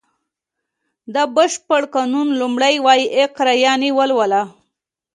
د بشپړ قانون لومړی ویی اقرا یانې ولوله و